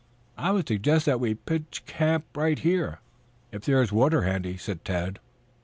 "I would suggest that we pitch a camp right here, if there is water handy," said Tad.